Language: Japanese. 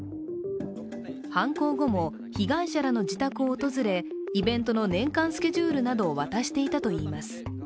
犯行後も被害者らの自宅を訪れイベントの年間スケジュールなどを渡していたといいます。